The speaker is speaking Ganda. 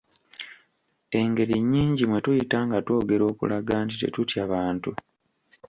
Engeri nnyingi mwe tuyita nga twogera okulaga nti tetutya bantu.